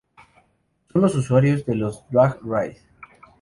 Son los usuarios de los Drag-Ride.